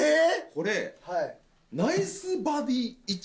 これ。